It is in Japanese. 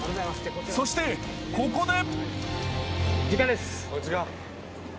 ［そしてここで］